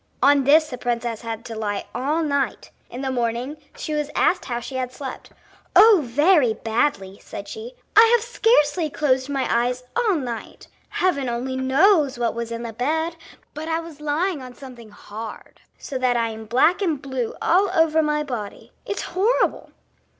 On this the princess had to lie all night. In the morning she was asked how she had slept. "Oh, very badly!" said she. "I have scarcely closed my eyes all night. Heaven only knows what was in the bed, but I was lying on something hard, so that I am black and blue all over my body. It's horrible!"